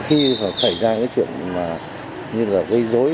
khi xảy ra những chuyện như là vây dối